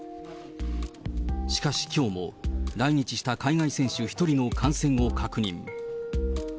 しかし、きょうも来日した海外選手１人の感染を確認。